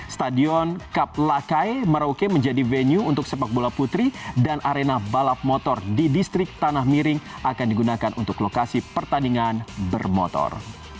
stadion kap lakai merauke menjadi venue untuk sepak bola putri dan arena balap motor di distrik tanah miring akan digunakan untuk lokasi pertandingan bermotor